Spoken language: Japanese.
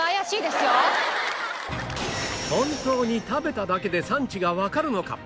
本当に食べただけで産地がわかるのか？